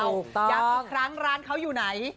อยากรู้ครั้งร้านเขาอยู่ไหน